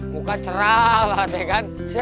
muka cerah lah ya kan